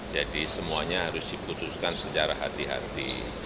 jadi semuanya harus diputuskan secara hati hati